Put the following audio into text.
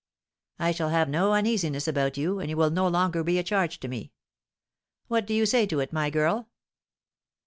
I shall have no uneasiness about you, and you will no longer be a charge to me. What do you say to it, my girl?'